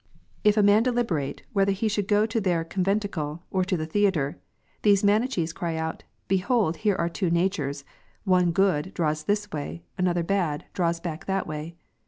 If a man deliberate, whether he sliould go to their con ^'^^*'' venticle, or to the theatre ; these Manicliees cry out, Behold, here are two natures : one good, draws this way : another bad, draws back that way.